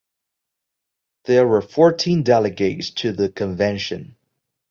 There were fourteen delegates to the convention.